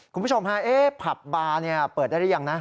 คุณผู้ชมฮะเอ๊ะผับบาร์เนี่ยเปิดได้หรือยังนะ